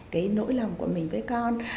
cái nỗi lòng của mình với con